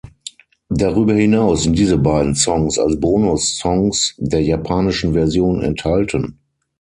Darüber hinaus sind diese beiden Songs als Bonus-Songs der japanischen Version enthalten.